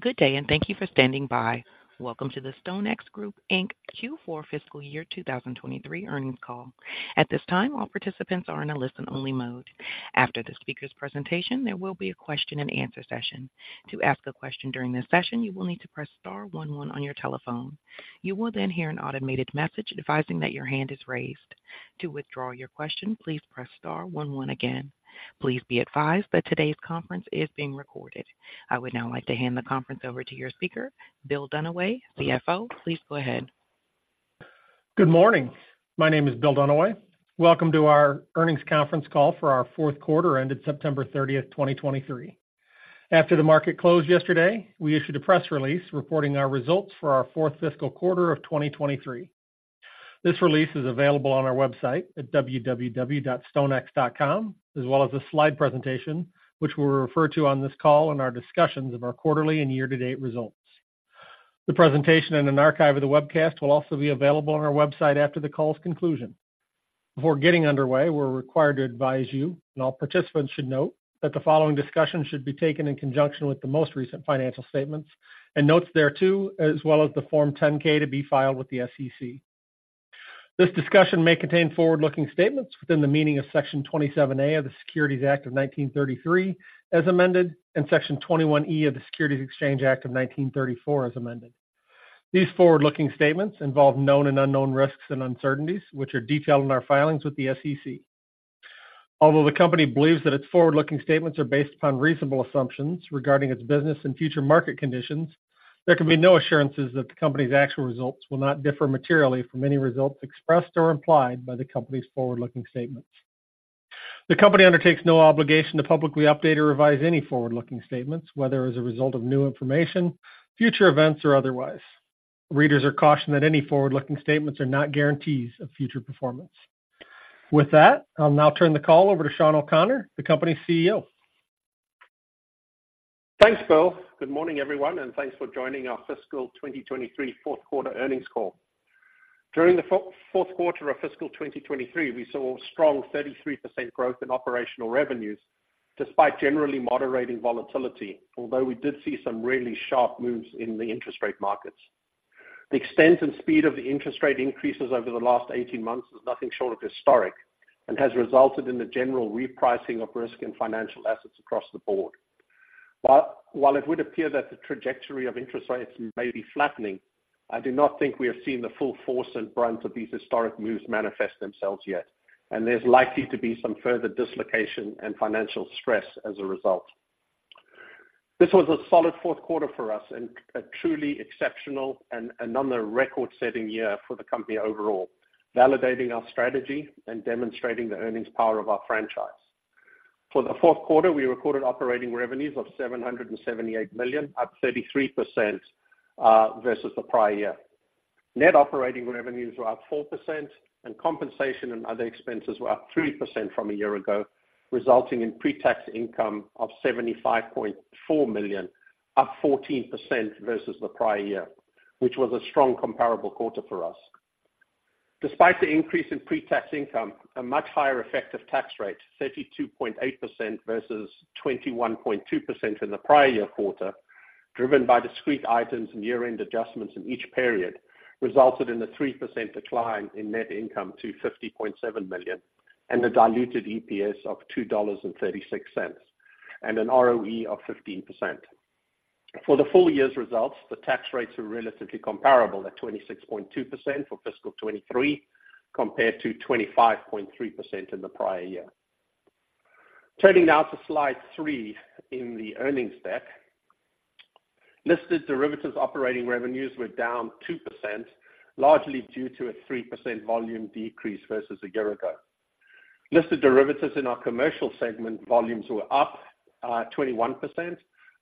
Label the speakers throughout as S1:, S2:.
S1: Good day, and thank you for standing by. Welcome to the StoneX Group Inc. Q4 Fiscal Year 2023 earnings call. At this time, all participants are in a listen-only mode. After the speaker's presentation, there will be a question-and-answer session. To ask a question during this session, you will need to press star one one on your telephone. You will then hear an automated message advising that your hand is raised. To withdraw your question, please press star one one again. Please be advised that today's conference is being recorded. I would now like to hand the conference over to your speaker, Bill Dunaway, CFO. Please go ahead.
S2: Good morning. My name is Bill Dunaway. Welcome to our earnings conference call for our fourth quarter, ended September 30, 2023. After the market closed yesterday, we issued a press release reporting our results for our fourth fiscal quarter of 2023. This release is available on our website at www.stonex.com, as well as a slide presentation, which we'll refer to on this call in our discussions of our quarterly and year-to-date results. The presentation and an archive of the webcast will also be available on our website after the call's conclusion. Before getting underway, we're required to advise you, and all participants should note, that the following discussion should be taken in conjunction with the most recent financial statements and notes thereto, as well as the Form 10-K to be filed with the SEC. This discussion may contain forward-looking statements within the meaning of Section 27A of the Securities Act of 1933, as amended, and Section 21E of the Securities Exchange Act of 1934, as amended. These forward-looking statements involve known and unknown risks and uncertainties, which are detailed in our filings with the SEC. Although the company believes that its forward-looking statements are based upon reasonable assumptions regarding its business and future market conditions, there can be no assurances that the company's actual results will not differ materially from any results expressed or implied by the company's forward-looking statements. The company undertakes no obligation to publicly update or revise any forward-looking statements, whether as a result of new information, future events, or otherwise. Readers are cautioned that any forward-looking statements are not guarantees of future performance. With that, I'll now turn the call over to Sean O'Connor, the company's CEO.
S3: Thanks, Bill. Good morning, everyone, and thanks for joining our fiscal 2023 fourth quarter earnings call. During the fourth quarter of fiscal 2023, we saw strong 33% growth in operational revenues, despite generally moderating volatility, although we did see some really sharp moves in the interest rate markets. The extent and speed of the interest rate increases over the last 18 months is nothing short of historic and has resulted in the general repricing of risk and financial assets across the board. But while it would appear that the trajectory of interest rates may be flattening, I do not think we have seen the full force and brunt of these historic moves manifest themselves yet, and there's likely to be some further dislocation and financial stress as a result. This was a solid fourth quarter for us and a truly exceptional and another record-setting year for the company overall, validating our strategy and demonstrating the earnings power of our franchise. For the fourth quarter, we recorded operating revenues of $778 million, up 33% versus the prior year. Net operating revenues were up 4%, and compensation and other expenses were up 3% from a year ago, resulting in pre-tax income of $75.4 million, up 14% versus the prior year, which was a strong comparable quarter for us. Despite the increase in pre-tax income, a much higher effective tax rate, 32.8% versus 21.2% in the prior year quarter, driven by discrete items and year-end adjustments in each period, resulted in a 3% decline in net income to $50.7 million and a diluted EPS of $2.36, and an ROE of 15%. For the full year's results, the tax rates were relatively comparable at 26.2% for fiscal 2023, compared to 25.3% in the prior year. Turning now to Slide 3 in the earnings deck. Listed derivatives operating revenues were down 2%, largely due to a 3% volume decrease versus a year ago. Listed derivatives in our commercial segment, volumes were up, 21%.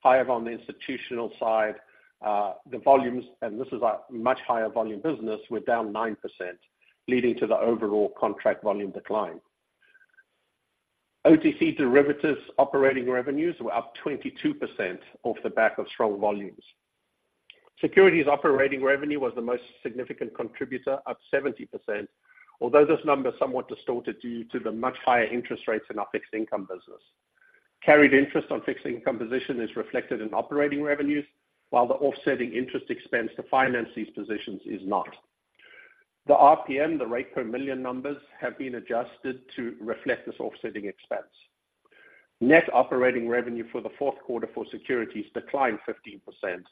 S3: However, on the institutional side, the volumes, and this is a much higher volume business, were down 9%, leading to the overall contract volume decline. OTC derivatives operating revenues were up 22% off the back of strong volumes. Securities operating revenue was the most significant contributor, up 70%, although this number is somewhat distorted due to the much higher interest rates in our fixed income business. Carried interest on fixed income position is reflected in operating revenues, while the offsetting interest expense to finance these positions is not. The RPM, the rate per million numbers, have been adjusted to reflect this offsetting expense. Net operating revenue for the fourth quarter for securities declined 15%,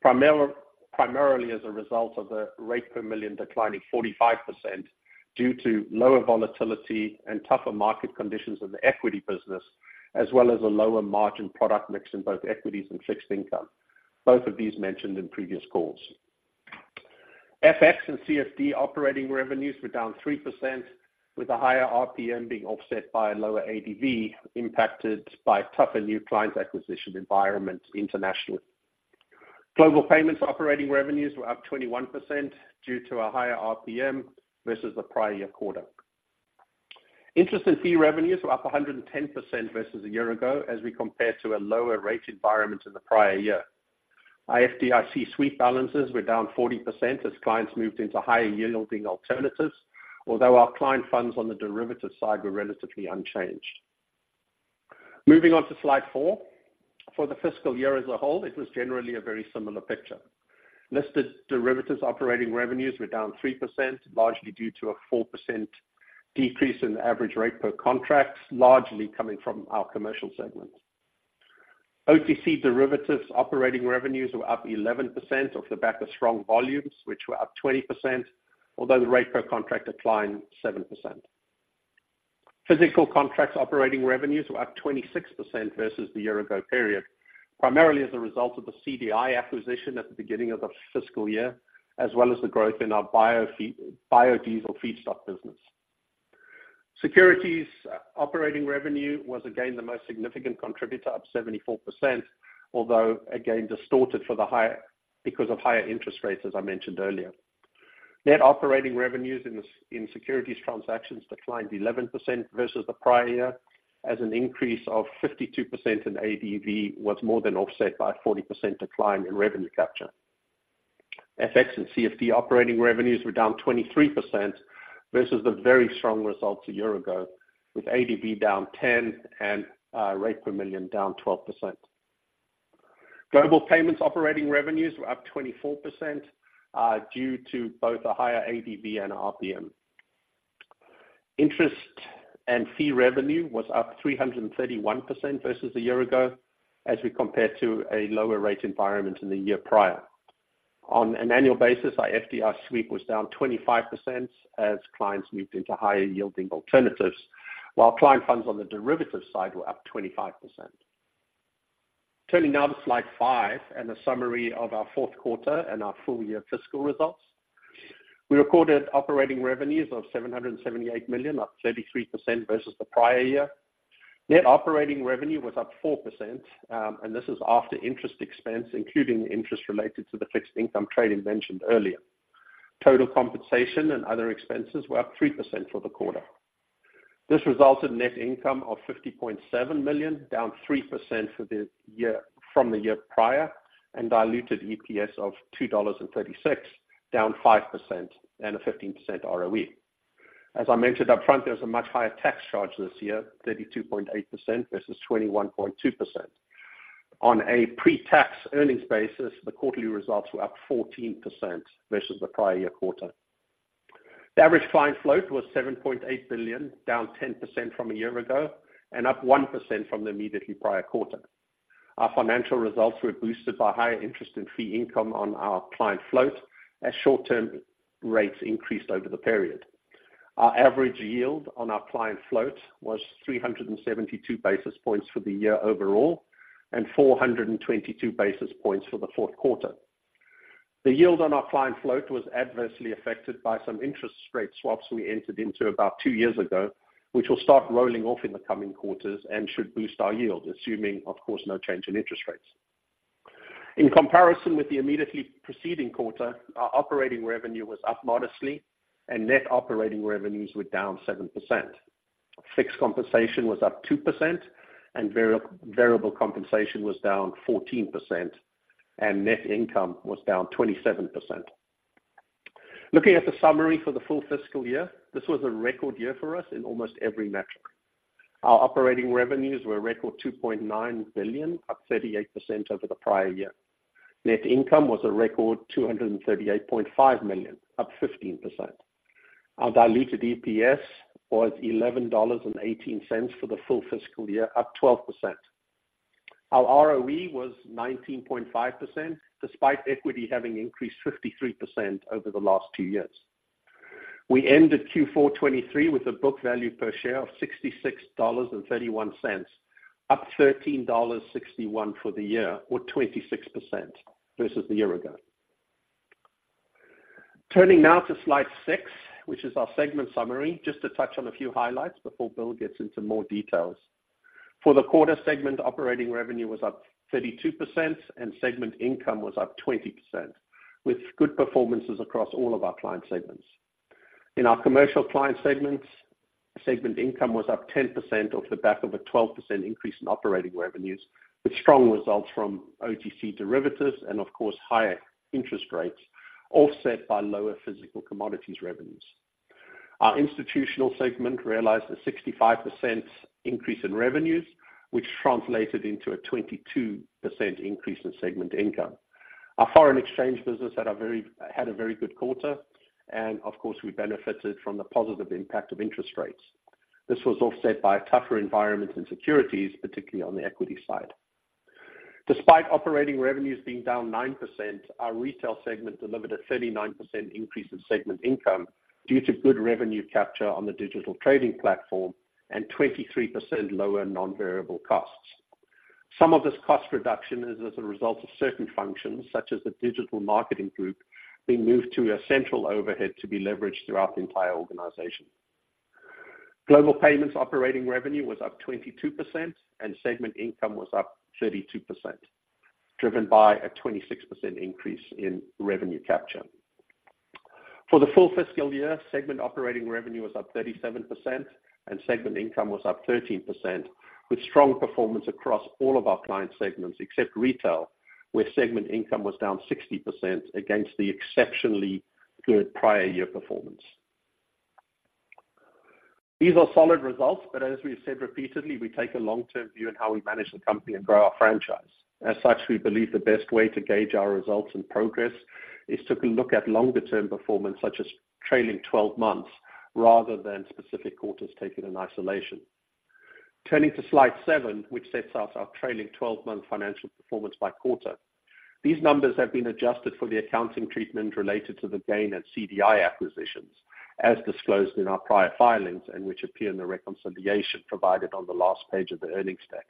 S3: primarily as a result of the rate per million declining 45% due to lower volatility and tougher market conditions in the equity business, as well as a lower margin product mix in both equities and fixed income. Both of these mentioned in previous calls. FX and CFD operating revenues were down 3%, with a higher RPM being offset by a lower ADV, impacted by tougher new client acquisition environments internationally. Global payments operating revenues were up 21% due to a higher RPM versus the prior year quarter. Interest and fee revenues were up 110% versus a year ago, as we compare to a lower rate environment in the prior year. FDIC sweep balances were down 40% as clients moved into higher-yielding alternatives, although our client funds on the derivative side were relatively unchanged. Moving on to slide four. For the fiscal year as a whole, it was generally a very similar picture. Listed derivatives operating revenues were down 3%, largely due to a 4% decrease in average rate per contract, largely coming from our commercial segment. OTC derivatives operating revenues were up 11% off the back of strong volumes, which were up 20%, although the rate per contract declined 7%. Physical contracts operating revenues were up 26% versus the year ago period, primarily as a result of the CDI acquisition at the beginning of the fiscal year, as well as the growth in our biodiesel feedstock business. Securities operating revenue was, again, the most significant contributor, up 74%, although again distorted because of higher interest rates, as I mentioned earlier. Net operating revenues in securities transactions declined 11% versus the prior year, as an increase of 52% in ADV was more than offset by a 40% decline in revenue capture. FX and CFD operating revenues were down 23% versus the very strong results a year ago, with ADV down 10% and rate per million down 12%. Global payments operating revenues were up 24%, due to both a higher ADV and RPM. Interest and fee revenue was up 331% versus a year ago, as we compare to a lower rate environment in the year prior. On an annual basis, our FDIC sweep was down 25% as clients moved into higher-yielding alternatives, while client funds on the derivatives side were up 25%. Turning now to slide 5, a summary of our fourth quarter and our full-year fiscal results. We recorded operating revenues of $778 million, up 33% versus the prior year. Net operating revenue was up 4%, and this is after interest expense, including the interest related to the fixed income trading mentioned earlier. Total compensation and other expenses were up 3% for the quarter. This resulted in net income of $50.7 million, down 3% for the year from the year prior, and diluted EPS of $2.36, down 5%, and a 15% ROE. As I mentioned upfront, there was a much higher tax charge this year, 32.8% versus 21.2%. On a pre-tax earnings basis, the quarterly results were up 14% versus the prior year quarter. The average client float was $7.8 billion, down 10% from a year ago, and up 1% from the immediately prior quarter. Our financial results were boosted by higher interest and fee income on our client float, as short-term rates increased over the period. Our average yield on our client float was 372 basis points for the year overall, and 422 basis points for the fourth quarter. The yield on our client float was adversely affected by some interest rate swaps we entered into about two years ago, which will start rolling off in the coming quarters and should boost our yield, assuming, of course, no change in interest rates. In comparison with the immediately preceding quarter, our operating revenue was up modestly and net operating revenues were down 7%. Fixed compensation was up 2%, and variable compensation was down 14%, and net income was down 27%. Looking at the summary for the full fiscal year, this was a record year for us in almost every metric. Our operating revenues were a record $2.9 billion, up 38% over the prior year. Net income was a record $238.5 million, up 15%. Our diluted EPS was $11.18 for the full fiscal year, up 12%. Our ROE was 19.5%, despite equity having increased 53% over the last two years. We ended Q4 2023 with a book value per share of $66.31, up $13.61 for the year, or 26% versus the year ago. Turning now to slide 6, which is our segment summary, just to touch on a few highlights before Bill gets into more details. For the quarter, segment operating revenue was up 32% and segment income was up 20%, with good performances across all of our client segments. In our commercial client segments, segment income was up 10% off the back of a 12% increase in operating revenues, with strong results from OTC derivatives and of course, higher interest rates, offset by lower physical commodities revenues. Our institutional segment realized a 65% increase in revenues, which translated into a 22% increase in segment income. Our foreign exchange business had a very good quarter, and of course, we benefited from the positive impact of interest rates. This was offset by a tougher environment in securities, particularly on the equity side. Despite operating revenues being down 9%, our retail segment delivered a 39% increase in segment income, due to good revenue capture on the digital trading platform and 23% lower non-variable costs. Some of this cost reduction is as a result of certain functions, such as the digital marketing group, being moved to a central overhead to be leveraged throughout the entire organization. Global Payments operating revenue was up 22%, and segment income was up 32%, driven by a 26% increase in revenue capture. For the full fiscal year, segment operating revenue was up 37%, and segment income was up 13%, with strong performance across all of our client segments except retail, where segment income was down 60% against the exceptionally good prior year performance. These are solid results, but as we've said repeatedly, we take a long-term view in how we manage the company and grow our franchise. As such, we believe the best way to gauge our results and progress is to look at longer-term performance, such as trailing twelve months, rather than specific quarters taken in isolation. Turning to slide 7, which sets out our trailing twelve-month financial performance by quarter. These numbers have been adjusted for the accounting treatment related to the gain at CDI acquisitions, as disclosed in our prior filings, and which appear in the reconciliation provided on the last page of the earnings deck.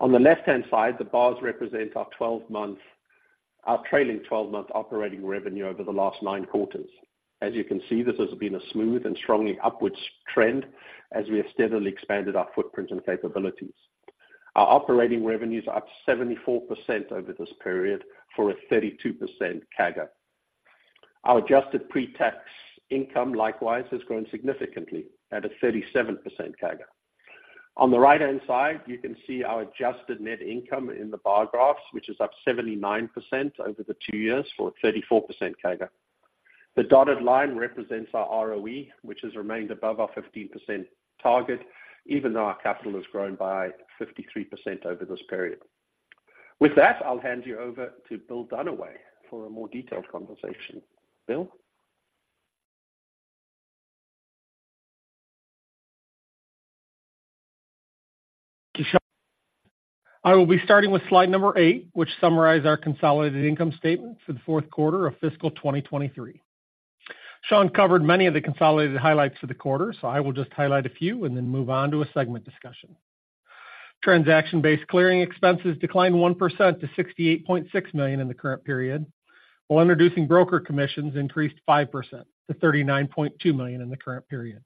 S3: On the left-hand side, the bars represent our twelve-month, our trailing twelve-month operating revenue over the last 9 quarters. As you can see, this has been a smooth and strongly upwards trend as we have steadily expanded our footprint and capabilities. Our operating revenues are up 74% over this period for a 32% CAGR. Our adjusted pre-tax income, likewise, has grown significantly at a 37% CAGR. On the right-hand side, you can see our adjusted net income in the bar graphs, which is up 79% over the 2 years for a 34% CAGR. The dotted line represents our ROE, which has remained above our 15% target, even though our capital has grown by 53% over this period. With that, I'll hand you over to Bill Dunaway for a more detailed conversation. Bill?
S2: Thank you, Sean. I will be starting with slide number 8, which summarize our consolidated income statement for the fourth quarter of fiscal 2023. Sean covered many of the consolidated highlights for the quarter, so I will just highlight a few and then move on to a segment discussion. Transaction-based clearing expenses declined 1% to $68.6 million in the current period, while introducing broker commissions increased 5% to $39.2 million in the current period.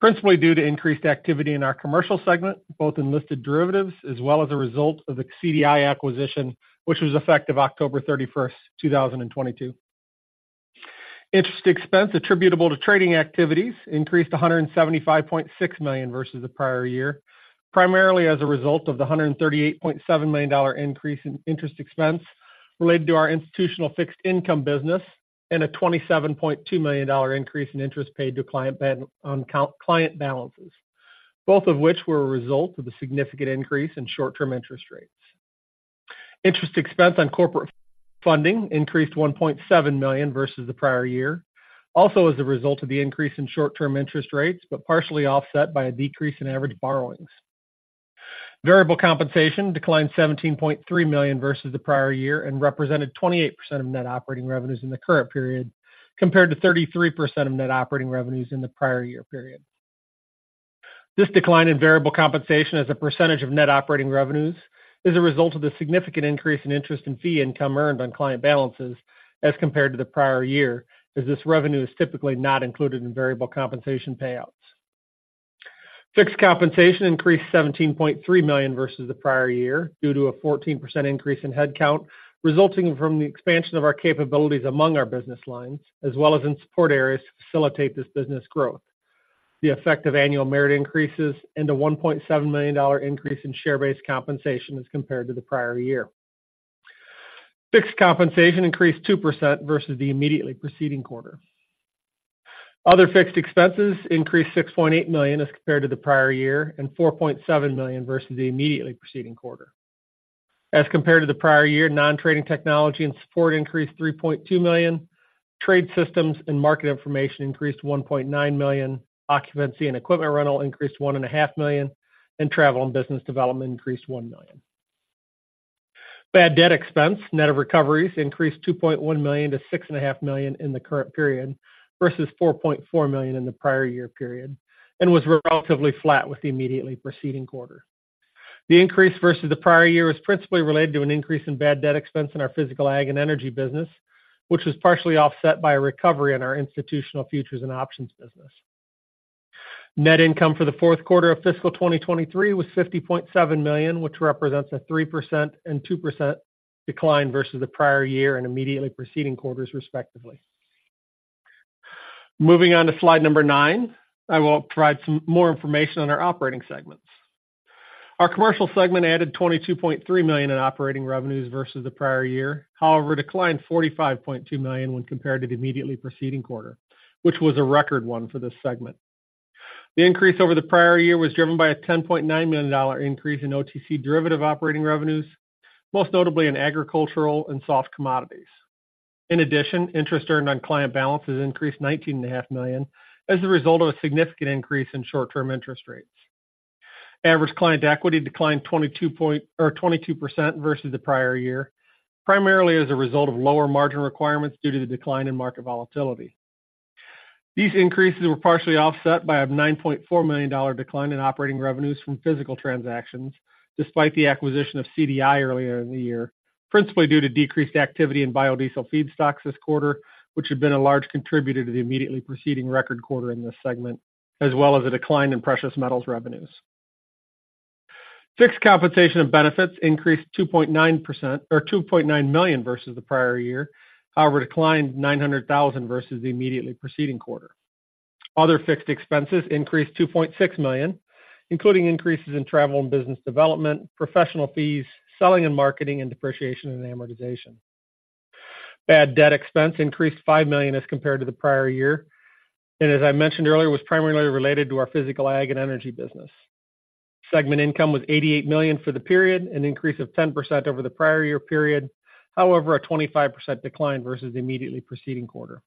S2: Principally due to increased activity in our commercial segment, both in listed derivatives as well as a result of the CDI acquisition, which was effective October 31, 2022. Interest expense attributable to trading activities increased to $175.6 million versus the prior year, primarily as a result of the $138.7 million increase in interest expense related to our institutional fixed income business, and a $27.2 million increase in interest paid to client balances, both of which were a result of the significant increase in short-term interest rates. Interest expense on corporate funding increased $1.7 million versus the prior year. Also, as a result of the increase in short-term interest rates, but partially offset by a decrease in average borrowings. Variable compensation declined $17.3 million versus the prior year and represented 28% of net operating revenues in the current period, compared to 33% of net operating revenues in the prior year period. This decline in variable compensation as a percentage of net operating revenues is a result of the significant increase in interest and fee income earned on client balances as compared to the prior year, as this revenue is typically not included in variable compensation payouts. Fixed compensation increased $17.3 million versus the prior year, due to a 14% increase in headcount, resulting from the expansion of our capabilities among our business lines, as well as in support areas to facilitate this business growth. The effect of annual merit increases and a $1.7 million dollar increase in share-based compensation as compared to the prior year. Fixed compensation increased 2% versus the immediately preceding quarter. Other fixed expenses increased $6.8 million as compared to the prior year, and $4.7 million versus the immediately preceding quarter. As compared to the prior year, non-trading technology and support increased $3.2 million, trade systems and market information increased $1.9 million, occupancy and equipment rental increased $1.5 million, and travel and business development increased $1 million. Bad debt expense, net of recoveries, increased $2.1 million to $6.5 million in the current period, versus $4.4 million in the prior year period, and was relatively flat with the immediately preceding quarter. The increase versus the prior year was principally related to an increase in bad debt expense in our physical ag and energy business, which was partially offset by a recovery in our institutional futures and options business. Net income for the fourth quarter of fiscal 2023 was $50.7 million, which represents a 3% and 2% decline versus the prior year and immediately preceding quarters, respectively. Moving on to slide number 9, I will provide some more information on our operating segments. Our commercial segment added $22.3 million in operating revenues versus the prior year. However, declined $45.2 million when compared to the immediately preceding quarter, which was a record one for this segment. The increase over the prior year was driven by a $10.9 million dollar increase in OTC derivative operating revenues, most notably in agricultural and soft commodities. In addition, interest earned on client balances increased $19.5 million as a result of a significant increase in short-term interest rates. Average client equity declined 22% versus the prior year, primarily as a result of lower margin requirements due to the decline in market volatility. These increases were partially offset by a $9.4 million decline in operating revenues from physical transactions, despite the acquisition of CDI earlier in the year, principally due to decreased activity in biodiesel feedstocks this quarter, which had been a large contributor to the immediately preceding record quarter in this segment, as well as a decline in precious metals revenues. Fixed compensation and benefits increased 2.9% or $2.9 million versus the prior year, however, declined $900,000 versus the immediately preceding quarter. Other fixed expenses increased $2.6 million, including increases in travel and business development, professional fees, selling and marketing, and depreciation and amortization. Bad debt expense increased $5 million as compared to the prior year, and as I mentioned earlier, was primarily related to our physical ag and energy business. Segment income was $88 million for the period, an increase of 10% over the prior year period, however, a 25% decline versus the immediately preceding quarter.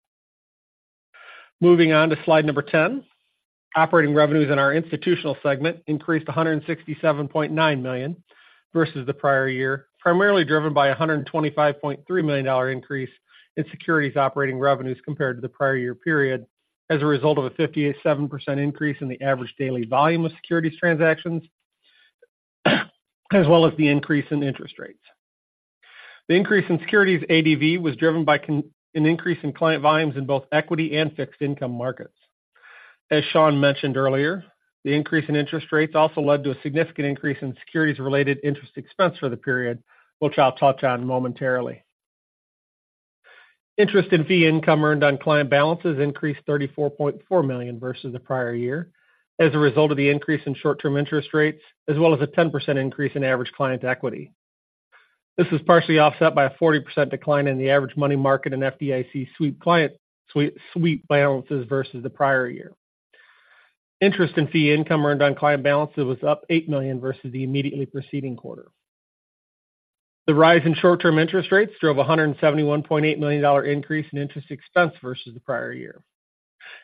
S2: Moving on to slide 10. Operating revenues in our institutional segment increased $167.9 million versus the prior year, primarily driven by a $125.3 million increase in securities operating revenues compared to the prior year period, as a result of a 57% increase in the average daily volume of securities transactions, as well as the increase in interest rates. The increase in securities ADV was driven by an increase in client volumes in both equity and fixed income markets. As Sean mentioned earlier, the increase in interest rates also led to a significant increase in securities-related interest expense for the period, which I'll touch on momentarily. Interest and fee income earned on client balances increased $34.4 million versus the prior year as a result of the increase in short-term interest rates, as well as a 10% increase in average client equity. This was partially offset by a 40% decline in the average money market and FDIC sweep client sweep balances versus the prior year. Interest and fee income earned on client balances was up $8 million versus the immediately preceding quarter. The rise in short-term interest rates drove a $171.8 million increase in interest expense versus the prior year.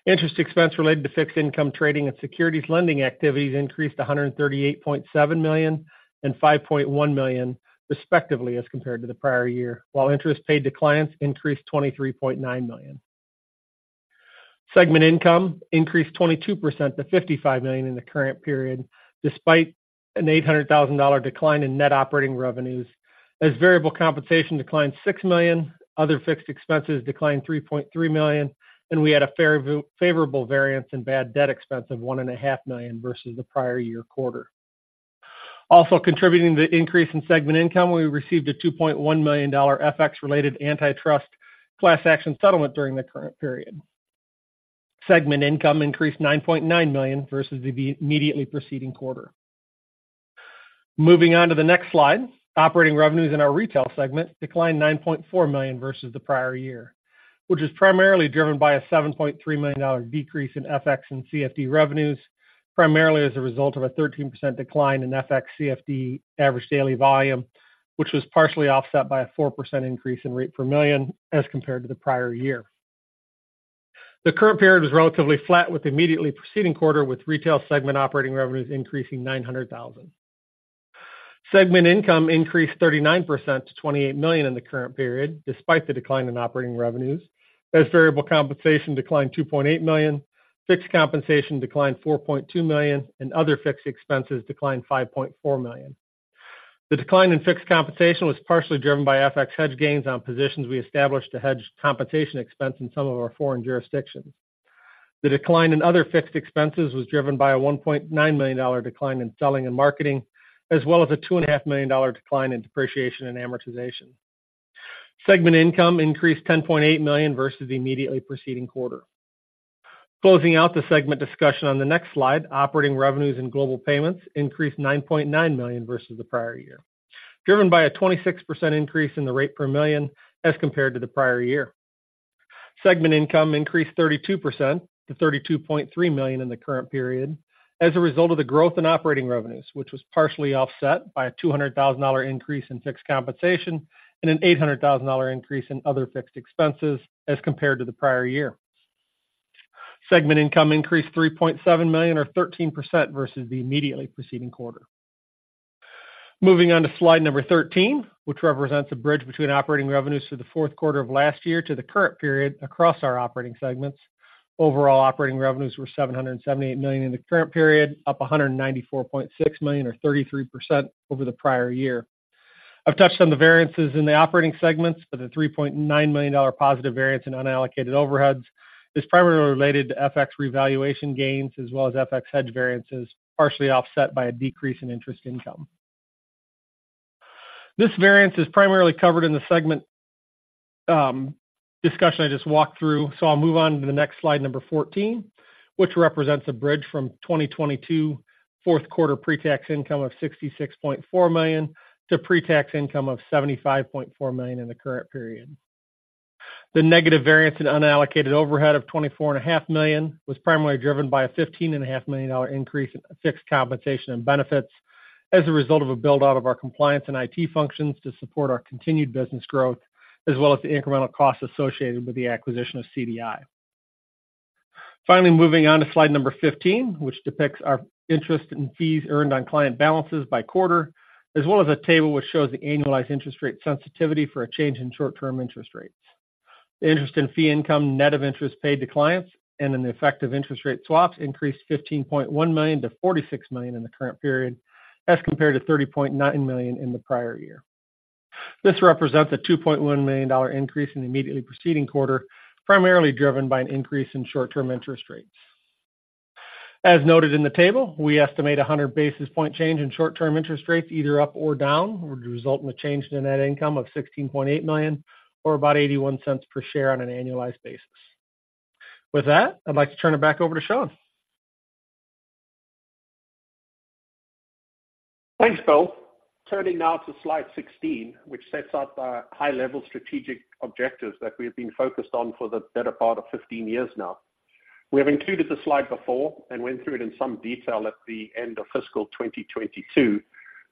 S2: Interest expense related to fixed income trading and securities lending activities increased $138.7 million and $5.1 million, respectively, as compared to the prior year, while interest paid to clients increased $23.9 million. Segment income increased 22% to $55 million in the current period, despite an $800,000 decline in net operating revenues, as variable compensation declined $6 million, other fixed expenses declined $3.3 million, and we had a favorable variance in bad debt expense of $1.5 million versus the prior year quarter. Also contributing to the increase in segment income, we received a $2.1 million FX-related antitrust class action settlement during the current period. Segment income increased $9.9 million versus the immediately preceding quarter. Moving on to the next slide. Operating revenues in our retail segment declined $9.4 million versus the prior year, which is primarily driven by a $7.3 million dollar decrease in FX and CFD revenues, primarily as a result of a 13% decline in FX CFD average daily volume, which was partially offset by a 4% increase in rate per million as compared to the prior year. The current period was relatively flat with the immediately preceding quarter, with retail segment operating revenues increasing $900,000. Segment income increased 39% to $28 million in the current period, despite the decline in operating revenues, as variable compensation declined $2.8 million, fixed compensation declined $4.2 million, and other fixed expenses declined $5.4 million. The decline in fixed compensation was partially driven by FX hedge gains on positions we established to hedge compensation expense in some of our foreign jurisdictions. The decline in other fixed expenses was driven by a $1.9 million decline in selling and marketing, as well as a $2.5 million decline in depreciation and amortization. Segment income increased $10.8 million versus the immediately preceding quarter. Closing out the segment discussion on the next slide, operating revenues in global payments increased $9.9 million versus the prior year, driven by a 26% increase in the rate per million as compared to the prior year. Segment income increased 32% to $32.3 million in the current period as a result of the growth in operating revenues, which was partially offset by a $200,000 increase in fixed compensation and an $800,000 increase in other fixed expenses as compared to the prior year. Segment income increased $3.7 million or 13% versus the immediately preceding quarter. Moving on to slide 13, which represents a bridge between operating revenues for the fourth quarter of last year to the current period across our operating segments. Overall, operating revenues were $778 million in the current period, up $194.6 million or 33% over the prior year. I've touched on the variances in the operating segments, but the $3.9 million positive variance in unallocated overheads is primarily related to FX revaluation gains, as well as FX hedge variances, partially offset by a decrease in interest income. This variance is primarily covered in the segment discussion I just walked through, so I'll move on to the next slide, number 14, which represents a bridge from 2022 fourth quarter pre-tax income of $66.4 million to pre-tax income of $75.4 million in the current period. The negative variance in unallocated overhead of $24.5 million was primarily driven by a $15.5 million increase in fixed compensation and benefits as a result of a build-out of our compliance and IT functions to support our continued business growth, as well as the incremental costs associated with the acquisition of CDI. Finally, moving on to slide 15, which depicts our interest and fees earned on client balances by quarter, as well as a table which shows the annualized interest rate sensitivity for a change in short-term interest rates. The interest and fee income, net of interest paid to clients and effective interest rate swaps, increased $15.1 million to $46 million in the current period, as compared to $30.9 million in the prior year. This represents a $2.1 million increase in the immediately preceding quarter, primarily driven by an increase in short-term interest rates. As noted in the table, we estimate a 100 basis point change in short-term interest rates, either up or down, would result in a change in net income of $16.8 million, or about 81 cents per share on an annualized basis. With that, I'd like to turn it back over to Sean.
S3: Thanks, Bill. Turning now to slide 16, which sets out our high-level strategic objectives that we've been focused on for the better part of 15 years now. We have included the slide before and went through it in some detail at the end of fiscal 2022,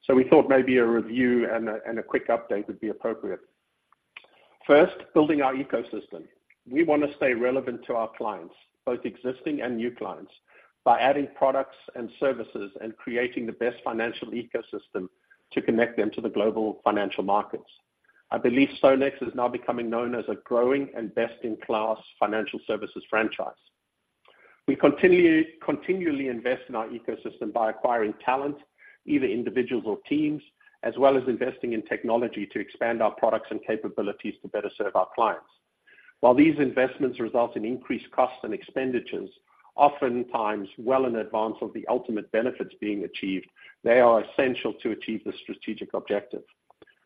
S3: so we thought maybe a review and a quick update would be appropriate. First, building our ecosystem. We wanna stay relevant to our clients, both existing and new clients, by adding products and services and creating the best financial ecosystem to connect them to the global financial markets. I believe StoneX is now becoming known as a growing and best-in-class financial services franchise. We continually invest in our ecosystem by acquiring talent, either individuals or teams, as well as investing in technology to expand our products and capabilities to better serve our clients. While these investments result in increased costs and expenditures, oftentimes well in advance of the ultimate benefits being achieved, they are essential to achieve the strategic objective.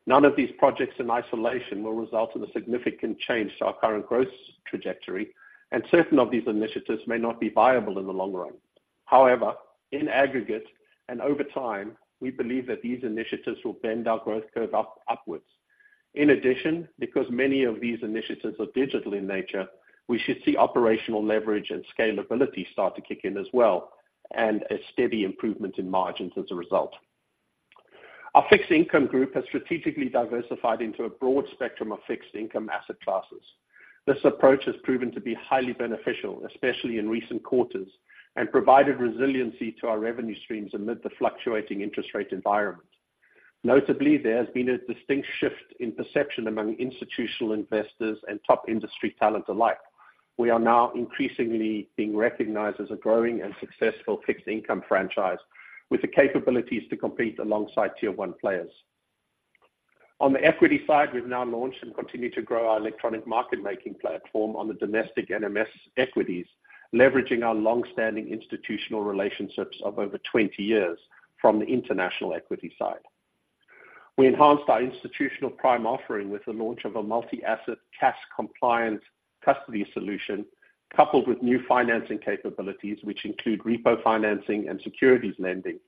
S3: None of these projects in isolation will result in a significant change to our current growth trajectory, and certain of these initiatives may not be viable in the long run. However, in aggregate and over time, we believe that these initiatives will bend our growth curve upwards. In addition, because many of these initiatives are digital in nature, we should see operational leverage and scalability start to kick in as well, and a steady improvement in margins as a result. Our fixed income group has strategically diversified into a broad spectrum of fixed income asset classes. This approach has proven to be highly beneficial, especially in recent quarters, and provided resiliency to our revenue streams amid the fluctuating interest rate environment. Notably, there has been a distinct shift in perception among institutional investors and top industry talent alike. We are now increasingly being recognized as a growing and successful fixed income franchise, with the capabilities to compete alongside tier one players. On the equity side, we've now launched and continue to grow our electronic market-making platform on the domestic NMS equities, leveraging our long-standing institutional relationships of over 20 years from the international equity side. We enhanced our institutional prime offering with the launch of a multi-asset, CASS-compliant custody solution, coupled with new financing capabilities, which include repo financing and securities lending,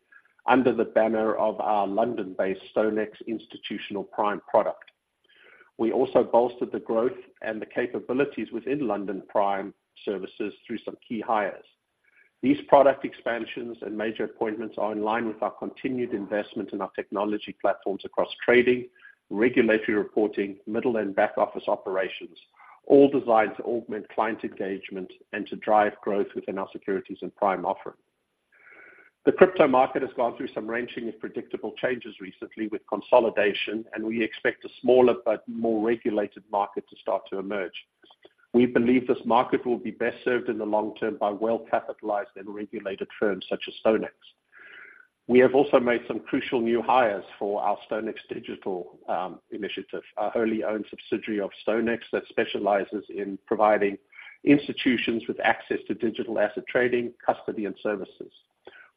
S3: under the banner of our London-based StoneX Institutional Prime product. We also bolstered the growth and the capabilities within London Prime services through some key hires. These product expansions and major appointments are in line with our continued investment in our technology platforms across trading, regulatory reporting, middle and back-office operations, all designed to augment client engagement and to drive growth within our securities and prime offering. The crypto market has gone through some wrenching and predictable changes recently with consolidation, and we expect a smaller but more regulated market to start to emerge. We believe this market will be best served in the long term by well-capitalized and regulated firms such as StoneX. We have also made some crucial new hires for our StoneX Digital initiative, our wholly-owned subsidiary of StoneX that specializes in providing institutions with access to digital asset trading, custody, and services.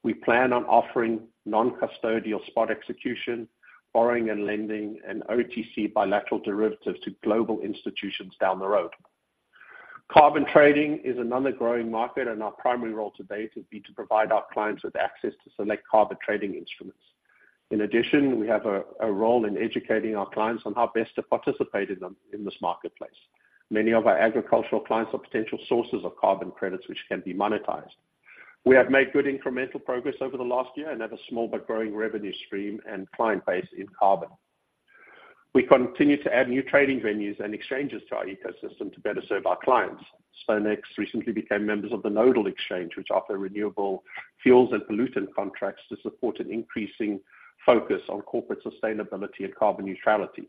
S3: We plan on offering non-custodial spot execution, borrowing and lending, and OTC bilateral derivatives to global institutions down the road. Carbon trading is another growing market, and our primary role to date would be to provide our clients with access to select carbon trading instruments. In addition, we have a role in educating our clients on how best to participate in them, in this marketplace. Many of our agricultural clients are potential sources of carbon credits, which can be monetized. We have made good incremental progress over the last year and have a small but growing revenue stream and client base in carbon. We continue to add new trading venues and exchanges to our ecosystem to better serve our clients. StoneX recently became members of the Nodal Exchange, which offer renewable fuels and pollutant contracts to support an increasing focus on corporate sustainability and carbon neutrality.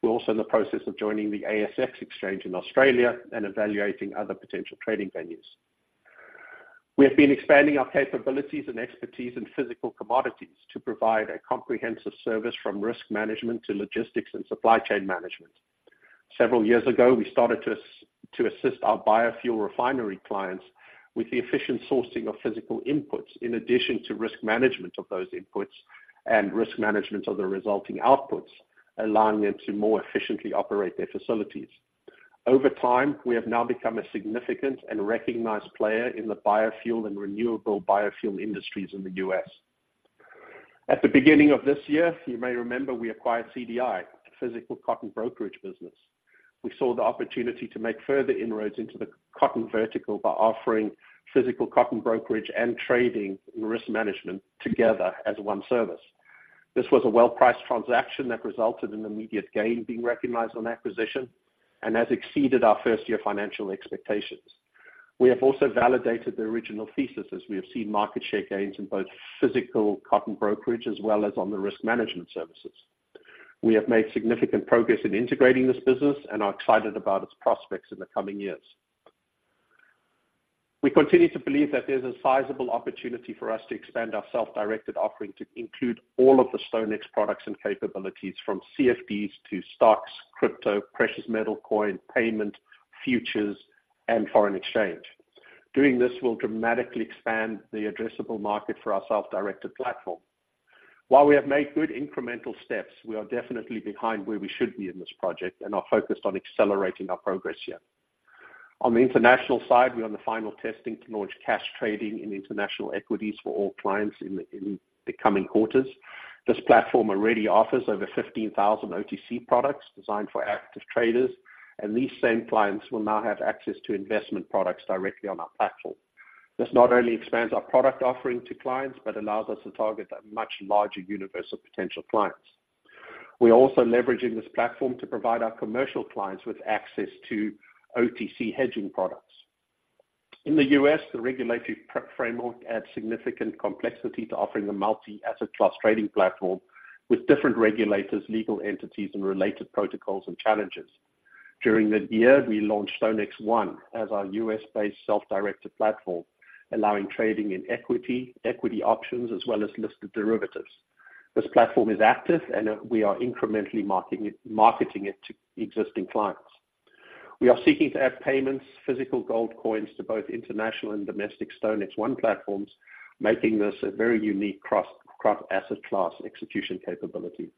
S3: We're also in the process of joining the ASX Exchange in Australia and evaluating other potential trading venues. We have been expanding our capabilities and expertise in physical commodities to provide a comprehensive service from risk management to logistics and supply chain management. Several years ago, we started to assist our biofuel refinery clients with the efficient sourcing of physical inputs, in addition to risk management of those inputs and risk management of the resulting outputs, allowing them to more efficiently operate their facilities. Over time, we have now become a significant and recognized player in the biofuel and renewable biofuel industries in the U.S. At the beginning of this year, you may remember we acquired CDI, a physical cotton brokerage business. We saw the opportunity to make further inroads into the cotton vertical by offering physical cotton brokerage and trading risk management together as one service. This was a well-priced transaction that resulted in immediate gain being recognized on acquisition and has exceeded our first-year financial expectations. We have also validated the original thesis, as we have seen market share gains in both physical cotton brokerage as well as on the risk management services. We have made significant progress in integrating this business and are excited about its prospects in the coming years. We continue to believe that there's a sizable opportunity for us to expand our self-directed offering to include all of the StoneX products and capabilities, from CFDs to stocks, crypto, precious metal, coin, payment, futures, and foreign exchange. Doing this will dramatically expand the addressable market for our self-directed platform.... While we have made good incremental steps, we are definitely behind where we should be in this project and are focused on accelerating our progress here. On the international side, we're on the final testing to launch cash trading in international equities for all clients in the coming quarters. This platform already offers over 15,000 OTC products designed for active traders, and these same clients will now have access to investment products directly on our platform. This not only expands our product offering to clients, but allows us to target a much larger universe of potential clients. We're also leveraging this platform to provide our commercial clients with access to OTC hedging products. In the U.S., the regulatory framework adds significant complexity to offering a multi-asset class trading platform with different regulators, legal entities, and related protocols and challenges. During the year, we launched StoneX One as our U.S.-based self-directed platform, allowing trading in equity, equity options, as well as listed derivatives. This platform is active, and we are incrementally marketing it, marketing it to existing clients. We are seeking to add payments, physical gold coins to both international and domestic StoneX One platforms, making this a very unique cross-asset class execution capability.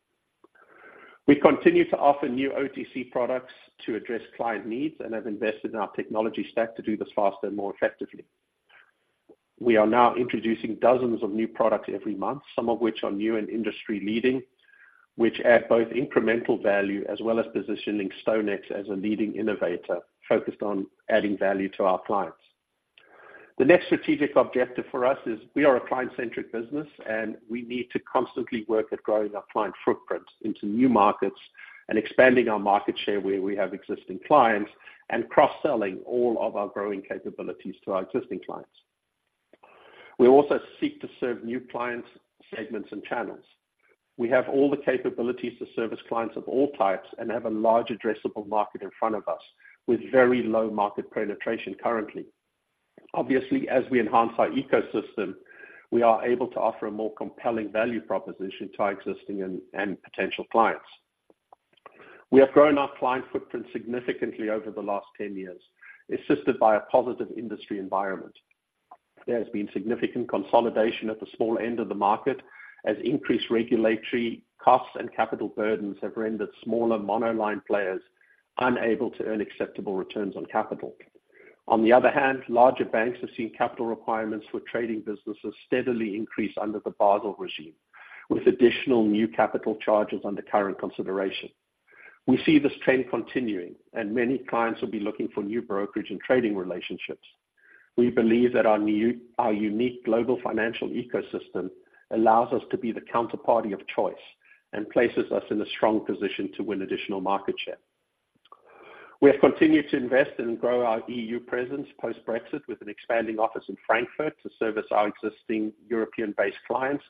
S3: We continue to offer new OTC products to address client needs and have invested in our technology stack to do this faster and more effectively. We are now introducing dozens of new products every month, some of which are new and industry-leading, which add both incremental value as well as positioning StoneX as a leading innovator focused on adding value to our clients. The next strategic objective for us is we are a client-centric business, and we need to constantly work at growing our client footprint into new markets and expanding our market share where we have existing clients, and cross-selling all of our growing capabilities to our existing clients. We also seek to serve new clients, segments, and channels. We have all the capabilities to service clients of all types and have a large addressable market in front of us, with very low market penetration currently. Obviously, as we enhance our ecosystem, we are able to offer a more compelling value proposition to our existing and potential clients. We have grown our client footprint significantly over the last 10 years, assisted by a positive industry environment. There has been significant consolidation at the small end of the market, as increased regulatory costs and capital burdens have rendered smaller monoline players unable to earn acceptable returns on capital. On the other hand, larger banks have seen capital requirements for trading businesses steadily increase under the Basel regime, with additional new capital charges under current consideration. We see this trend continuing, and many clients will be looking for new brokerage and trading relationships. We believe that our unique global financial ecosystem allows us to be the counterparty of choice and places us in a strong position to win additional market share. We have continued to invest and grow our EU presence post-Brexit, with an expanding office in Frankfurt to service our existing European-based clients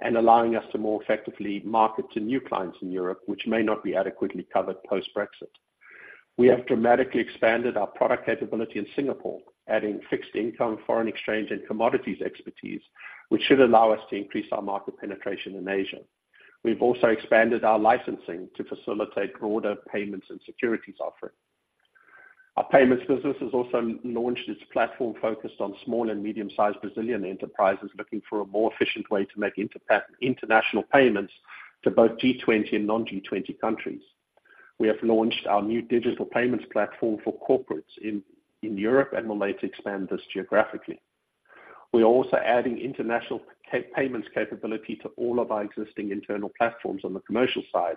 S3: and allowing us to more effectively market to new clients in Europe, which may not be adequately covered post-Brexit. We have dramatically expanded our product capability in Singapore, adding fixed income, foreign exchange, and commodities expertise, which should allow us to increase our market penetration in Asia. We've also expanded our licensing to facilitate broader payments and securities offering. Our payments business has also launched its platform, focused on small and medium-sized Brazilian enterprises looking for a more efficient way to make international payments to both G20 and non-G20 countries. We have launched our new digital payments platform for corporates in Europe and will later expand this geographically. We are also adding international payments capability to all of our existing internal platforms on the commercial side,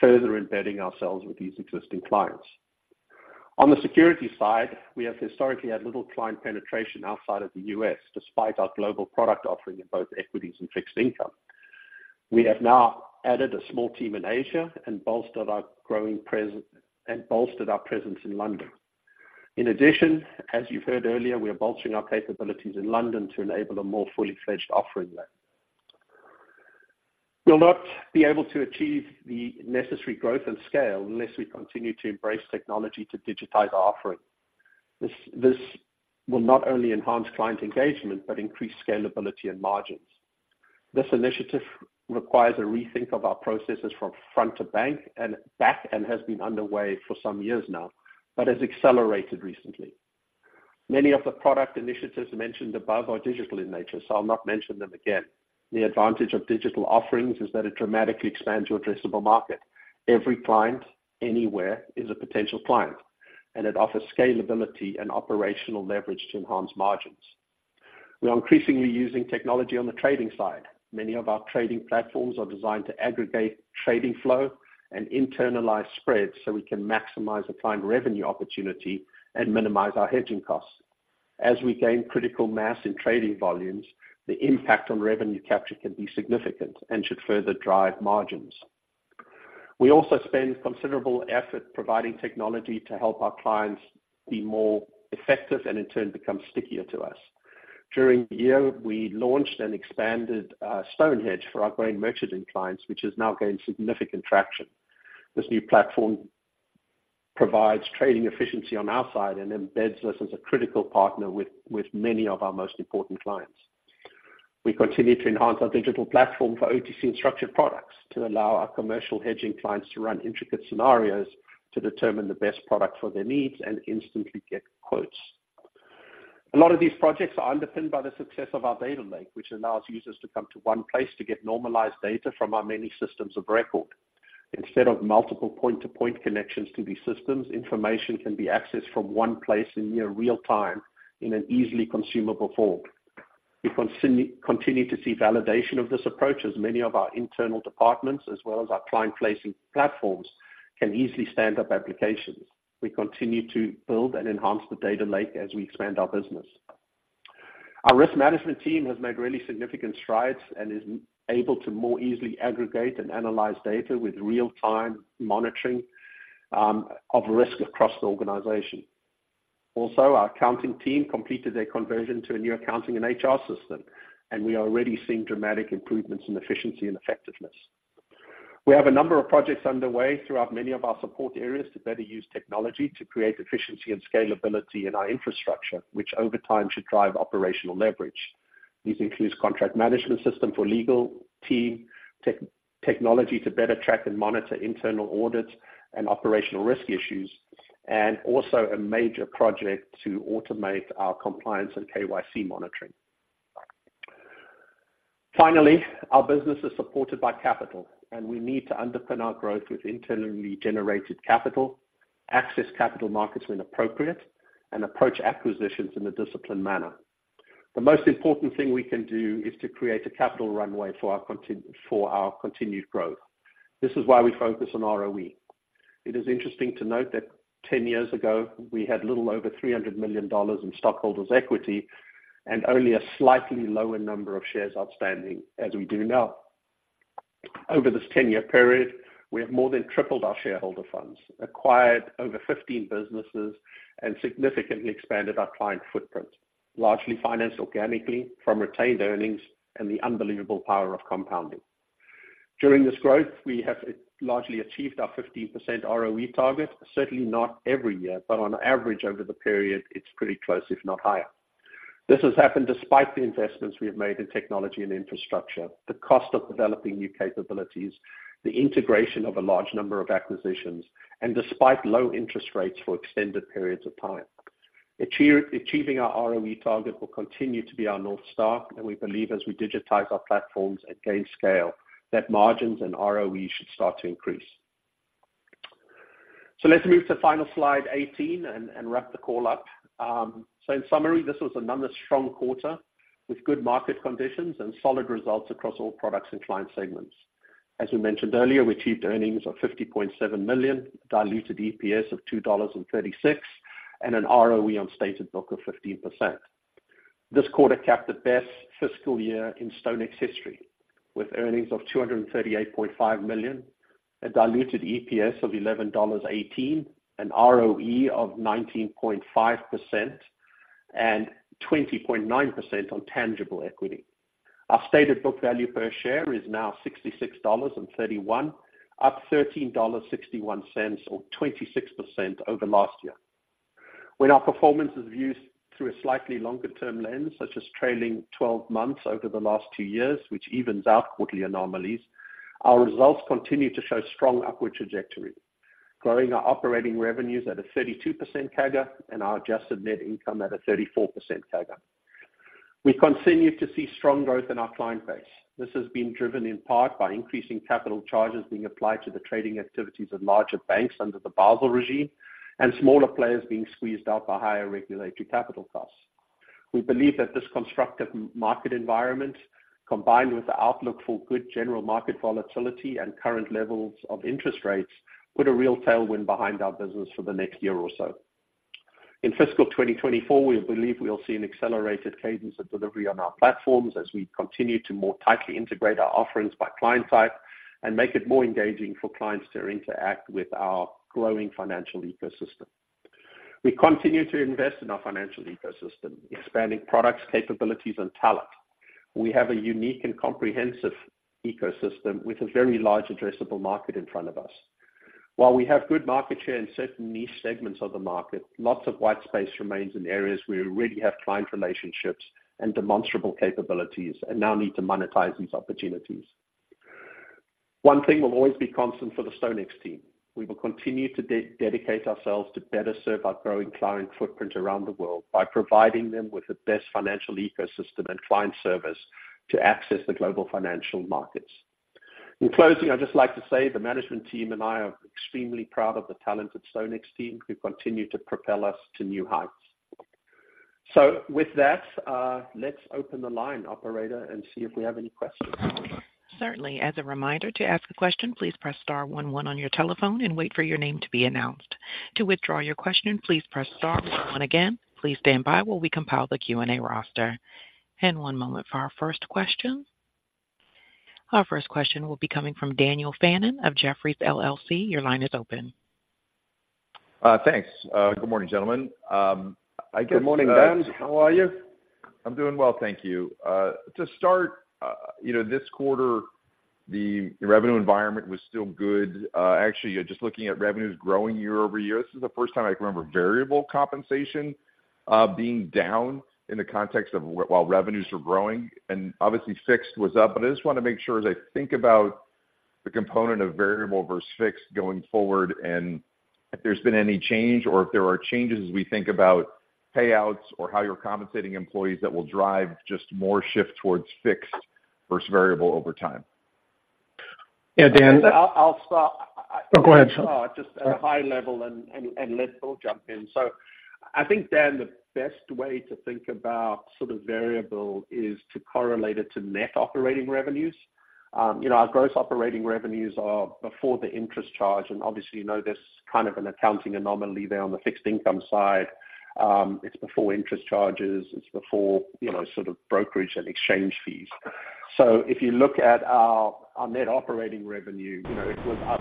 S3: further embedding ourselves with these existing clients. On the securities side, we have historically had little client penetration outside of the U.S., despite our global product offering in both equities and fixed income. We have now added a small team in Asia and bolstered our growing presence in London. In addition, as you've heard earlier, we are bolstering our capabilities in London to enable a more fully fledged offering there. We'll not be able to achieve the necessary growth and scale unless we continue to embrace technology to digitize our offering. This will not only enhance client engagement, but increase scalability and margins. This initiative requires a rethink of our processes from front to back, and has been underway for some years now, but has accelerated recently. Many of the product initiatives mentioned above are digital in nature, so I'll not mention them again. The advantage of digital offerings is that it dramatically expands your addressable market. Every client, anywhere, is a potential client, and it offers scalability and operational leverage to enhance margins. We are increasingly using technology on the trading side. Many of our trading platforms are designed to aggregate trading flow and internalize spreads, so we can maximize the client revenue opportunity and minimize our hedging costs. As we gain critical mass in trading volumes, the impact on revenue capture can be significant and should further drive margins. We also spend considerable effort providing technology to help our clients be more effective and in turn, become stickier to us. During the year, we launched and expanded StoneHedge for our growing merchanting clients, which has now gained significant traction. This new platform provides trading efficiency on our side and embeds us as a critical partner with many of our most important clients. We continue to enhance our digital platform for OTC and structured products to allow our commercial hedging clients to run intricate scenarios to determine the best product for their needs and instantly get quotes. A lot of these projects are underpinned by the success of our data lake, which allows users to come to one place to get normalized data from our many systems of record. Instead of multiple point-to-point connections to these systems, information can be accessed from one place in near real time in an easily consumable form. We continue to see validation of this approach, as many of our internal departments, as well as our client placing platforms, can easily stand up applications. We continue to build and enhance the data lake as we expand our business. Our risk management team has made really significant strides and is able to more easily aggregate and analyze data with real-time monitoring of risk across the organization. Also, our accounting team completed their conversion to a new accounting and HR system, and we are already seeing dramatic improvements in efficiency and effectiveness. We have a number of projects underway throughout many of our support areas to better use technology to create efficiency and scalability in our infrastructure, which over time should drive operational leverage. This includes contract management system for legal team, technology to better track and monitor internal audits and operational risk issues, and also a major project to automate our compliance and KYC monitoring. Finally, our business is supported by capital, and we need to underpin our growth with internally generated capital, access capital markets when appropriate, and approach acquisitions in a disciplined manner. The most important thing we can do is to create a capital runway for our continued growth. This is why we focus on ROE. It is interesting to note that 10 years ago, we had a little over $300 million in stockholders' equity and only a slightly lower number of shares outstanding, as we do now. Over this 10-year period, we have more than tripled our shareholder funds, acquired over 15 businesses, and significantly expanded our client footprint, largely financed organically from retained earnings and the unbelievable power of compounding. During this growth, we have largely achieved our 15% ROE target. Certainly not every year, but on average, over the period, it's pretty close, if not higher. This has happened despite the investments we have made in technology and infrastructure, the cost of developing new capabilities, the integration of a large number of acquisitions, and despite low interest rates for extended periods of time. Achieving our ROE target will continue to be our North Star, and we believe as we digitize our platforms and gain scale, that margins and ROE should start to increase. So let's move to final slide 18 and wrap the call up. So in summary, this was another strong quarter with good market conditions and solid results across all products and client segments. As we mentioned earlier, we achieved earnings of $50.7 million, diluted EPS of $2.36, and an ROE on stated book of 15%. This quarter capped the best fiscal year in StoneX history, with earnings of $238.5 million, a diluted EPS of $11.18, an ROE of 19.5% and 20.9% on tangible equity. Our stated book value per share is now $66.31, up $13.61 or 26% over last year. When our performance is viewed through a slightly longer-term lens, such as trailing twelve months over the last two years, which evens out quarterly anomalies, our results continue to show strong upward trajectory, growing our operating revenues at a 32% CAGR and our adjusted net income at a 34% CAGR. We continue to see strong growth in our client base. This has been driven in part by increasing capital charges being applied to the trading activities of larger banks under the Basel regime and smaller players being squeezed out by higher regulatory capital costs. We believe that this constructive market environment, combined with the outlook for good general market volatility and current levels of interest rates, put a real tailwind behind our business for the next year or so. In fiscal 2024, we believe we'll see an accelerated cadence of delivery on our platforms as we continue to more tightly integrate our offerings by client type and make it more engaging for clients to interact with our growing financial ecosystem. We continue to invest in our financial ecosystem, expanding products, capabilities, and talent. We have a unique and comprehensive ecosystem with a very large addressable market in front of us. While we have good market share in certain niche segments of the market, lots of white space remains in areas where we already have client relationships and demonstrable capabilities and now need to monetize these opportunities. One thing will always be constant for the StoneX team: We will continue to dedicate ourselves to better serve our growing client footprint around the world by providing them with the best financial ecosystem and client service to access the global financial markets. In closing, I'd just like to say the management team and I are extremely proud of the talented StoneX team, who continue to propel us to new heights. With that, let's open the line, operator, and see if we have any questions.
S1: Certainly. As a reminder, to ask a question, please press star one one on your telephone and wait for your name to be announced. To withdraw your question, please press star one one again. Please stand by while we compile the Q&A roster. One moment for our first question. Our first question will be coming from Daniel Fannon of Jefferies LLC. Your line is open.
S4: Thanks. Good morning, gentlemen. I guess-
S3: Good morning, Dan. How are you?
S4: I'm doing well, thank you. To start, you know, this quarter, the revenue environment was still good. Actually, just looking at revenues growing year-over-year, this is the first time I can remember variable compensation being down in the context of while revenues are growing and obviously fixed was up. But I just wanna make sure, as I think about the component of variable versus fixed going forward, and if there's been any change or if there are changes as we think about payouts or how you're compensating employees that will drive just more shift towards fixed versus variable over time?
S2: Yeah, Dan?
S3: I'll start.
S2: Oh, go ahead, Sean.
S3: Just at a high level, let Bill jump in. So I think, Dan, the best way to think about sort of variable is to correlate it to net operating revenues. You know, our gross operating revenues are before the interest charge, and obviously, you know, there's kind of an accounting anomaly there on the fixed income side. It's before interest charges, it's before, you know, sort of brokerage and exchange fees. So if you look at our net operating revenue, you know, it was up,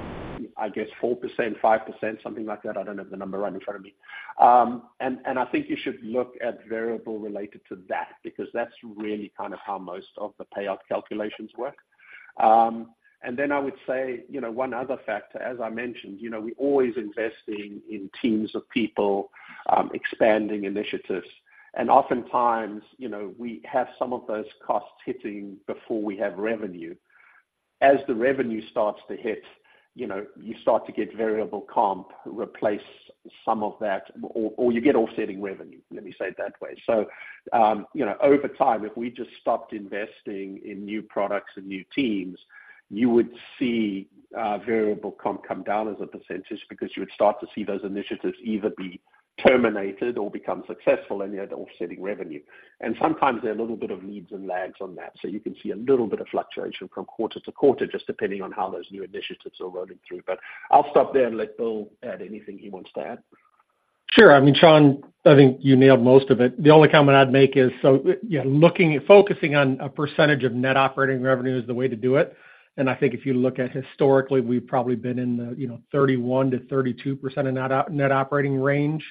S3: I guess, 4%, 5%, something like that. I don't have the number right in front of me. And I think you should look at variable related to that because that's really kind of how most of the payout calculations work. And then I would say, you know, one other factor, as I mentioned, you know, we're always investing in teams of people, expanding initiatives, and oftentimes, you know, we have some of those costs hitting before we have revenue. As the revenue starts to hit, you know, you start to get variable comp replace some of that, or, or you get offsetting revenue, let me say it that way. So, you know, over time, if we just stopped investing in new products and new teams, you would see, variable comp come down as a percentage because you would start to see those initiatives either be terminated or become successful, and you had offsetting revenue. Sometimes there are a little bit of leads and lags on that, so you can see a little bit of fluctuation from quarter to quarter, just depending on how those new initiatives are loading through. I'll stop there and let Bill add anything he wants to add.
S2: Sure. I mean, Sean, I think you nailed most of it. The only comment I'd make is, so yeah, focusing on a percentage of net operating revenue is the way to do it. And I think if you look at historically, we've probably been in the, you know, 31%-32% of net operating range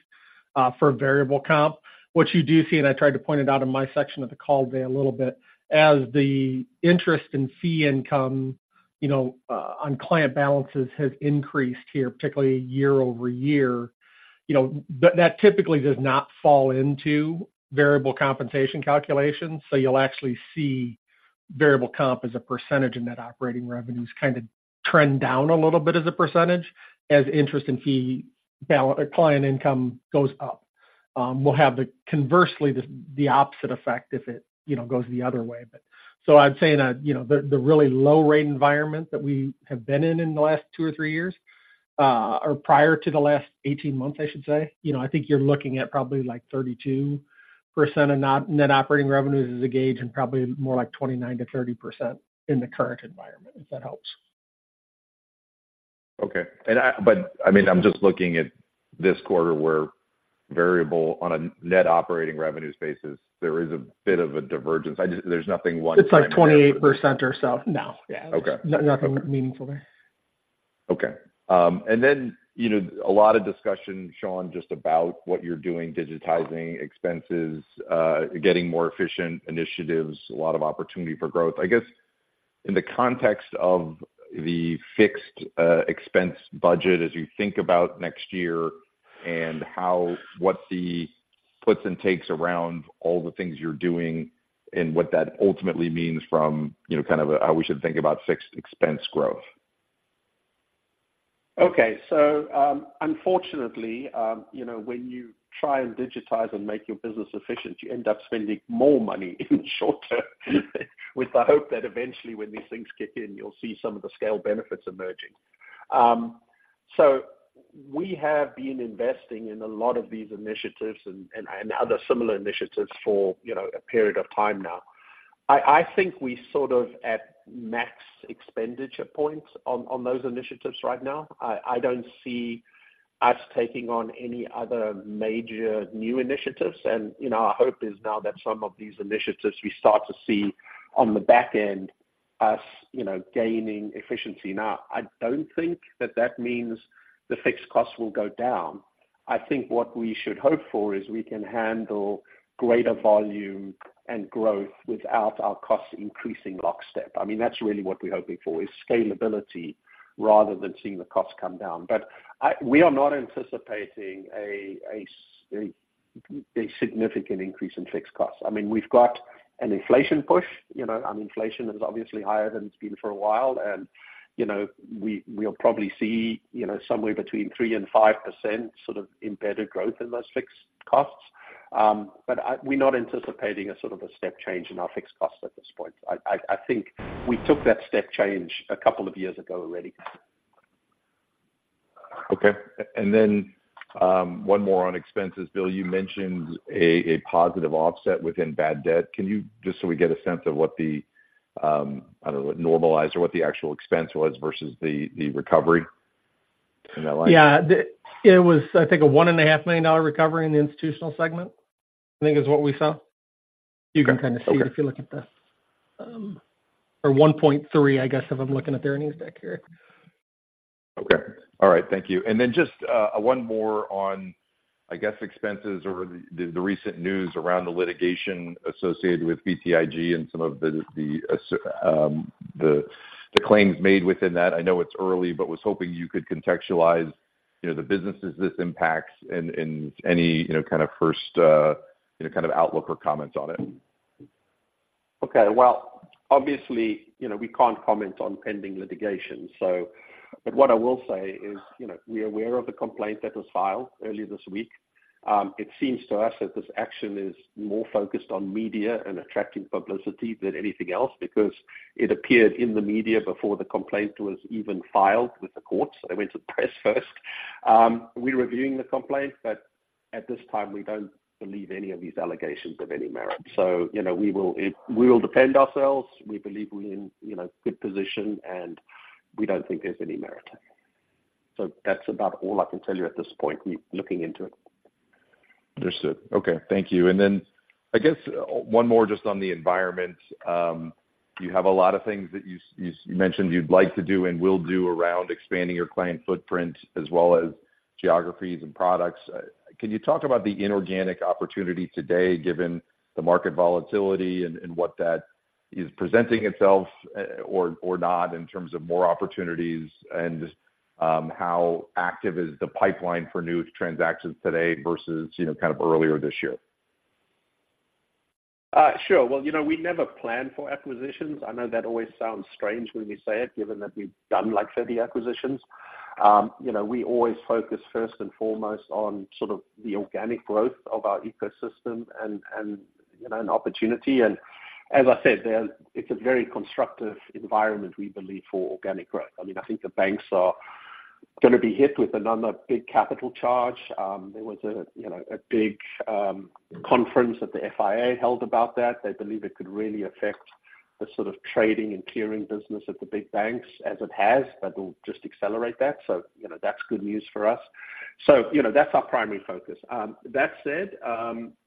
S2: for variable comp. What you do see, and I tried to point it out in my section of the call today a little bit, as the interest and fee income, you know, on client balances has increased here, particularly year-over-year, you know, that typically does not fall into variable compensation calculations. So you'll actually see variable comp as a percentage in net operating revenues, kind of trend down a little bit as a percentage, as interest and fee balance client income goes up. We'll have the conversely, the opposite effect if it, you know, goes the other way. But so I'd say that, you know, the really low rate environment that we have been in, in the last 2 or 3 years, or prior to the last 18 months, I should say, you know, I think you're looking at probably like 32% of net operating revenues as a gauge and probably more like 29%-30% in the current environment, if that helps.
S4: Okay. But I mean, I'm just looking at this quarter, where variable on a net operating revenues basis, there is a bit of a divergence. I just— There's nothing one-
S2: It's like 28% or so.
S4: No, Okay.
S2: Nothing meaningful there.
S4: Okay. And then, you know, a lot of discussion, Sean, just about what you're doing, digitizing expenses, getting more efficient initiatives, a lot of opportunity for growth. I guess, in the context of the fixed expense budget, as you think about next year and how, what the puts and takes around all the things you're doing and what that ultimately means from, you know, kind of, how we should think about fixed expense growth.
S3: Okay. So, unfortunately, you know, when you try and digitize and make your business efficient, you end up spending more money in the short term, with the hope that eventually when these things kick in, you'll see some of the scale benefits emerging. So we have been investing in a lot of these initiatives and, and, and other similar initiatives for, you know, a period of time now. I think we sort of at max expenditure points on those initiatives right now. I don't see us taking on any other major new initiatives. And, you know, our hope is now that some of these initiatives, we start to see on the back end, us, you know, gaining efficiency. Now, I don't think that that means the fixed costs will go down. I think what we should hope for is we can handle greater volume and growth without our costs increasing lockstep. I mean, that's really what we're hoping for, is scalability rather than seeing the costs come down. But we are not anticipating a significant increase in fixed costs. I mean, we've got an inflation push, you know, inflation is obviously higher than it's been for a while. And, you know, we, we'll probably see, you know, somewhere between 3%-5% sort of embedded growth in those fixed costs. But we're not anticipating a sort of a step change in our fixed costs at this point. I think we took that step change a couple of years ago already.
S4: Okay. And then, one more on expenses. Bill, you mentioned a positive offset within bad debt. Can you just so we get a sense of what the, I don't know, what normalized or what the actual expense was versus the recovery in that line?
S2: Yeah. I think, a $1.5 million recovery in the institutional segment, I think, is what we saw.
S4: Okay.
S2: You can kind of see it if you look at the, or 1.3, I guess, if I'm looking at the earnings deck here.
S4: Okay. All right. Thank you. And then just one more on, I guess, expenses over the recent news around the litigation associated with BTIG and some of the claims made within that. I know it's early, but was hoping you could contextualize, you know, the businesses this impacts and any, you know, kind of first, you know, kind of outlook or comments on it....
S3: Okay, well, obviously, you know, we can't comment on pending litigation, so, but what I will say is, you know, we are aware of the complaint that was filed earlier this week. It seems to us that this action is more focused on media and attracting publicity than anything else, because it appeared in the media before the complaint was even filed with the courts. They went to the press first. We're reviewing the complaint, but at this time, we don't believe any of these allegations have any merit. So, you know, we will, we will defend ourselves. We believe we're in, you know, good position, and we don't think there's any merit. So that's about all I can tell you at this point. We're looking into it.
S4: Understood. Okay, thank you. And then I guess one more just on the environment. You have a lot of things that you mentioned you'd like to do and will do around expanding your client footprint as well as geographies and products. Can you talk about the inorganic opportunity today, given the market volatility and what that is presenting itself, or not, in terms of more opportunities? And how active is the pipeline for new transactions today versus, you know, kind of earlier this year?
S3: Sure. Well, you know, we never plan for acquisitions. I know that always sounds strange when we say it, given that we've done, like, 30 acquisitions. You know, we always focus first and foremost on sort of the organic growth of our ecosystem and, and, you know, and opportunity. And as I said, it's a very constructive environment, we believe, for organic growth. I mean, I think the banks are gonna be hit with another big capital charge. There was a, you know, a big conference that the FIA held about that. They believe it could really affect the sort of trading and clearing business at the big banks as it has, that will just accelerate that. So, you know, that's good news for us. So, you know, that's our primary focus. That said,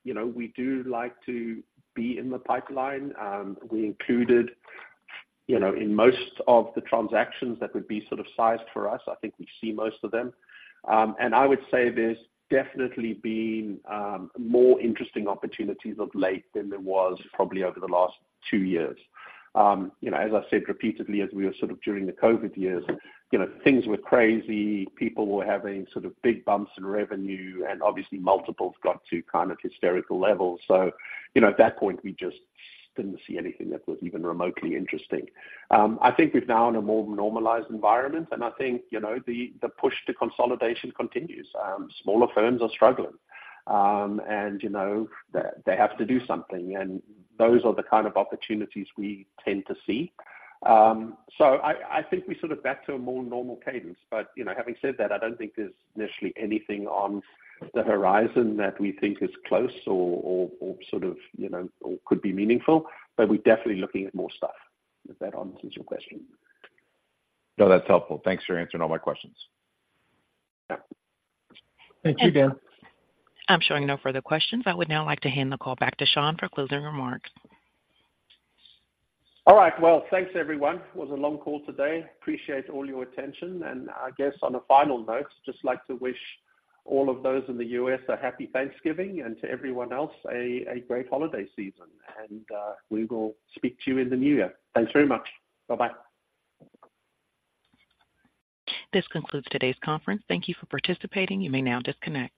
S3: you know, we do like to be in the pipeline. We included, you know, in most of the transactions that would be sort of sized for us, I think we see most of them. And I would say there's definitely been more interesting opportunities of late than there was probably over the last two years. You know, as I said repeatedly, as we were sort of during the COVID years, you know, things were crazy. People were having sort of big bumps in revenue, and obviously multiples got to kind of hysterical levels. So, you know, at that point, we just didn't see anything that was even remotely interesting. I think we're now in a more normalized environment, and I think, you know, the push to consolidation continues. Smaller firms are struggling, and, you know, they have to do something, and those are the kind of opportunities we tend to see. So I think we're sort of back to a more normal cadence. But, you know, having said that, I don't think there's necessarily anything on the horizon that we think is close or sort of, you know, or could be meaningful, but we're definitely looking at more stuff, if that answers your question.
S4: No, that's helpful. Thanks for answering all my questions.
S3: Yeah. Thank you, Dan.
S1: I'm showing no further questions. I would now like to hand the call back to Sean for closing remarks.
S3: All right. Well, thanks, everyone. It was a long call today. Appreciate all your attention. I guess on a final note, just like to wish all of those in the U.S. a happy Thanksgiving, and to everyone else, a great holiday season. We will speak to you in the new year. Thanks very much. Bye-bye.
S1: This concludes today's conference. Thank you for participating. You may now disconnect.